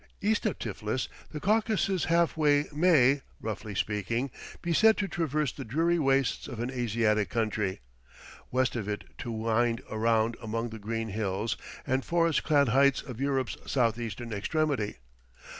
East of Tiflis, the Caucasus Hallway may, roughly speaking, be said to traverse the dreary wastes of an Asiatic country; west of it to wind around among the green hills and forest clad heights of Europe's southeastern extremity.